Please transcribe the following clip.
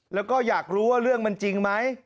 แล้วก็อยากรู้ว่าเรื่องมันจริงไหม